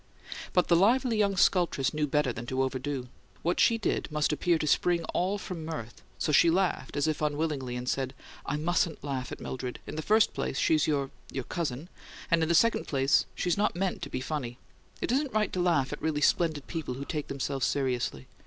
But the lively young sculptress knew better than to overdo: what she did must appear to spring all from mirth; so she laughed as if unwillingly, and said, "I MUSTN'T laugh at Mildred! In the first place, she's your your cousin. And in the second place, she's not meant to be funny; it isn't right to laugh at really splendid people who take themselves seriously.